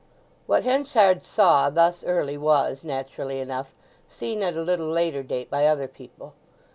What Henchard saw thus early was, naturally enough, seen at a little later date by other people.